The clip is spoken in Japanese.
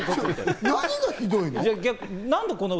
何がひどいの？